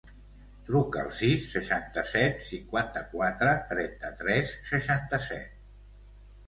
Truca al sis, seixanta-set, cinquanta-quatre, trenta-tres, seixanta-set.